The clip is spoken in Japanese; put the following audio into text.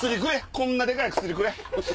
こんなでかい薬くれ！